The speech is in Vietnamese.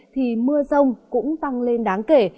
thì mưa rông cũng tăng lên đáng kể